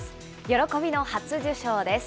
喜びの初受賞です。